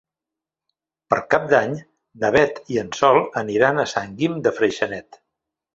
Per Cap d'Any na Beth i en Sol aniran a Sant Guim de Freixenet.